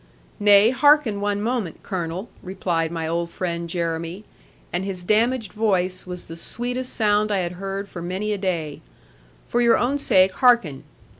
'Nay, hearken one moment, Colonel,' replied my old friend Jeremy; and his damaged voice was the sweetest sound I had heard for many a day; 'for your own sake, hearken.'